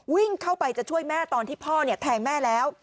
วิ่งเข้าไปจะช่วยแม่ตอนที่พ่อแทงแม่แล้ว